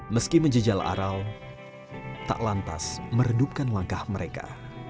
meski menjejal aral tak lantas meredupkan langkah mereka